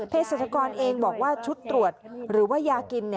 ศัชกรเองบอกว่าชุดตรวจหรือว่ายากิน